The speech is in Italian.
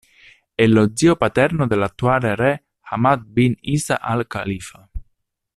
È lo zio paterno dell'attuale Re Hamad bin Isa Al Khalifa.